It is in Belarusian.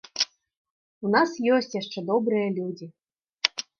У нас ёсць яшчэ добрыя людзі!